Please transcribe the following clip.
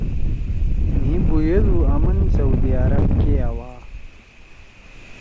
مھی بُھویَدُو آمن سعودی عرب کے آوا